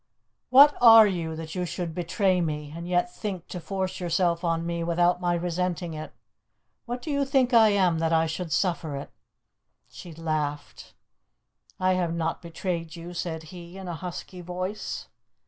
"What are you that you should betray me, and yet think to force yourself on me without my resenting it? What do you think I am that I should suffer it?" She laughed. "I have not betrayed you," said he in a husky voice.